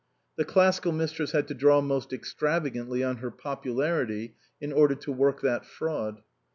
(The Clas sical Mistress had to draw most extravagantly on her popularity in order to work that fraud.)